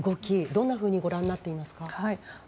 どんなふうにご覧になっていますか？